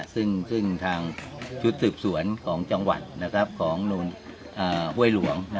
ซึ่งทางชุดสืบสวนของจังหวัดของห้วยหลวง